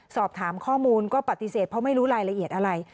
สอบถามข้อมูลก็ปฏิเสธเพราะไม่รู้รายละเอียดอะไร